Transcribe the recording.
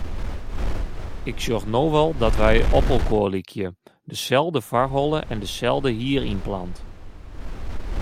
Ik sjoch no wol dat wy opelkoar lykje; deselde foarholle en deselde hierynplant.